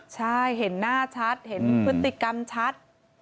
ใช่เห็นหน้าชัดเห็นพฤติกรรมชัด